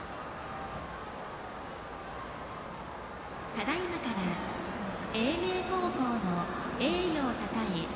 ただいまから英明高校の栄誉をたたえ